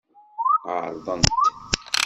Ɛeṛḍent.